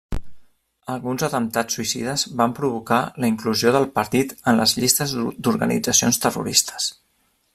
Alguns atemptats suïcides van provocar la inclusió del partit en les llistes d'organitzacions terroristes.